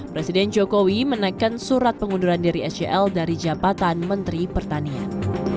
presiden jokowi menaikkan surat pengunduran diri sel dari jabatan menteri pertanian